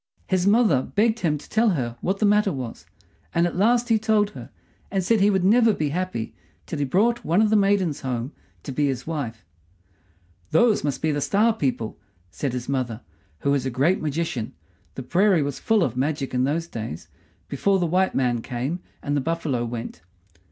His mother begged him to tell her what the matter was; and at last he told her, and said he would never be happy till he brought one of the maidens home to be his wife. "Those must be the Star people," said his mother, who was a great magician the prairie was full of magic in those days, before the white man came and the buffalo went.